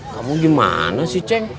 kamu gimana sih ceng